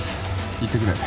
行ってくれ。